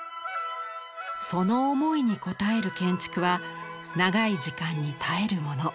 その思いに応える建築は長い時間に耐えるもの